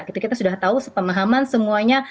jadi kita sudah tahu pemahaman semuanya